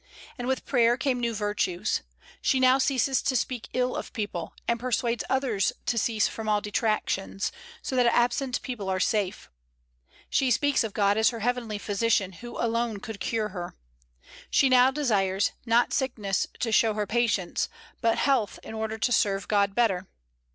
And with prayer came new virtues. She now ceases to speak ill of people, and persuades others to cease from all detractions, so that absent people are safe. She speaks of God as her heavenly physician, who alone could cure her. She now desires, not sickness to show her patience, but health in order to serve God better.